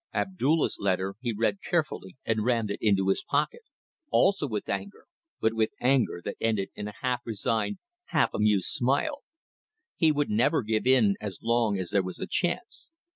Abdulla's letter he read carefully and rammed it into his pocket, also with anger, but with anger that ended in a half resigned, half amused smile. He would never give in as long as there was a chance.